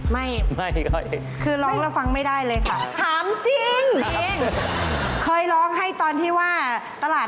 ไม่คือร้องแล้วฟังไม่ได้เลยค่ะครับ